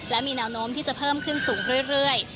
และมีแนวโน้มที่จะเพิ่มขึ้นสูงเรื่อย